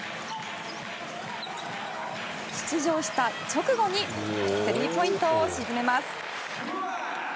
出場した直後にスリーポイント沈めます。